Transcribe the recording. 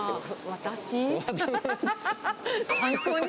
私？